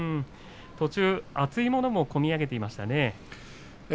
途中、熱いものもこみ上げていましたね。